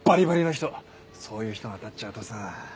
そういう人当たっちゃうとさ。